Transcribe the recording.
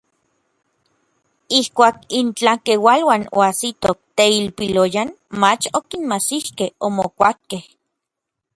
Ijkuak intlakeualuan oajsitoj teilpiloyan, mach okinmajsikej, omokuapkej.